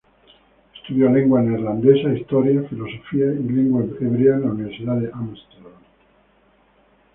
Estudió lengua neerlandesa, historia, filosofía y lengua hebrea en la Universidad de Ámsterdam.